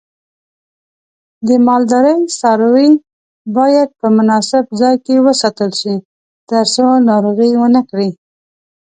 د مالدارۍ څاروی باید په مناسب ځای کې وساتل شي ترڅو ناروغي ونه کړي.